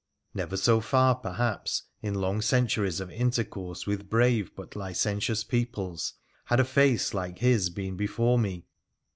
Never so far, perhaps, in long centuries of intercourse with brave but licentious peoples had a face like his been before me.